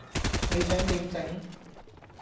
你想點整?